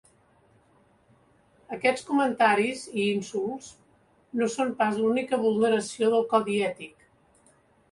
Aquests comentaris i insults no són pas l’única vulneració del codi ètic.